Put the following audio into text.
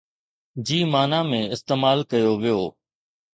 جي معنى ۾ استعمال ڪيو ويو